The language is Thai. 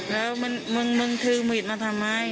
แล้วมึงถือมีดมาทำไม